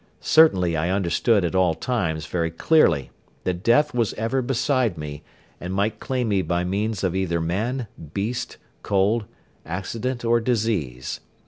Certainly I understood at all times very clearly that death was ever beside me and might claim me by means of either man, beast, cold, accident or disease.